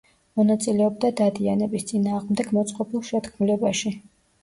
მონაწილეობდა დადიანების წინააღმდეგ მოწყობილ შეთქმულებაში.